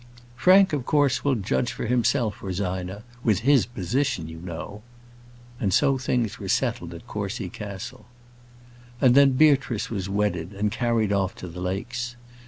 "Frank, of course, will judge for himself, Rosina; with his position, you know!" And so things were settled at Courcy Castle. And then Beatrice was wedded and carried off to the Lakes.